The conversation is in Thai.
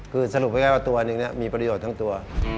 คือสรุปไว้กับตัวอันนี้มีประโยชน์ทั้งตัว